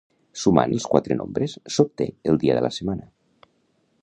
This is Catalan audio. Sumant els quatre nombres, s'obté el dia de la setmana.